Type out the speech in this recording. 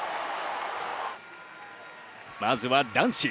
まずは男子。